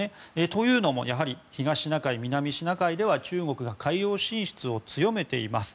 というのも、やはり東シナ海南シナ海では中国が海洋進出を強めています。